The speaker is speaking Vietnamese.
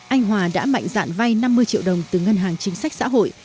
anh hòa đã mạnh dạn vay năm mươi triệu đồng từ ngân hàng chính sách xã hội